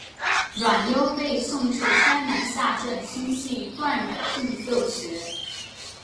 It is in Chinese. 阮攸被送至山南下镇亲戚段阮俊就学。